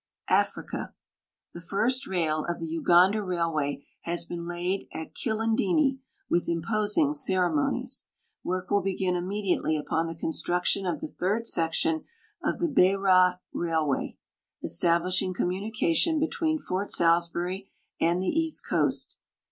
AFRICA The first rail of the Uganda railway has been laid at Kilindini with imposing ceremonies. Work wilt begin immediately upon the construction of the third section of the Beira railway, establishing communication between Fort Salisbury ami the east coiust.